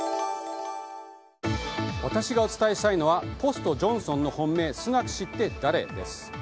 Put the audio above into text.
私がお伝えしたいのはポストジョンソンの本命スナク氏って誰？です。